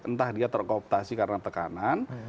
entah dia terkooptasi karena tekanan